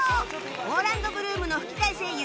オーランド・ブルームの吹き替え声優